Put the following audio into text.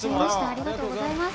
ありがとうございます。